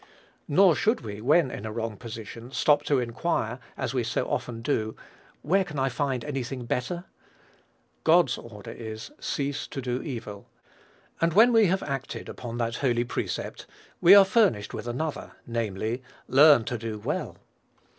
Nor should we, when in a wrong position, stop to inquire, as we so often do, "Where can I find any thing better?" God's order is, "Cease to do evil;" and when we have acted upon that holy precept, we are furnished with another, namely, "Learn to do well."